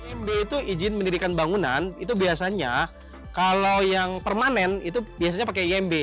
imb itu izin mendirikan bangunan itu biasanya kalau yang permanen itu biasanya pakai imb